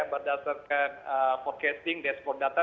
berdasarkan forecasting dashboard data